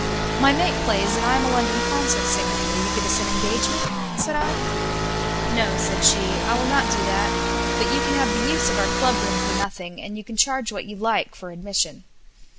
"My mate plays and I am a London concert singer, will you give us an engagement?" said I. '''No,'' said she, "I will not do that, but you can have the use of our club room for nothing, and you can charge what you like for admission."